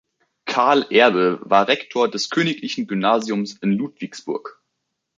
Karl Erbe war Rektor des Königlichen Gymnasiums in Ludwigsburg.